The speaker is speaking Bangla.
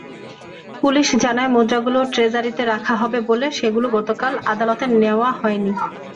পুলিশ জানায়, মুদ্রাগুলো ট্রেজারিতে রাখা হবে বলে সেগুলো গতকাল আদালতে নেওয়া হয়নি।